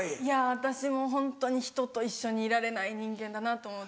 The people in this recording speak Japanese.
私もホントにひとと一緒にいられない人間だなと思って。